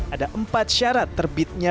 ada empat syarat terbitnya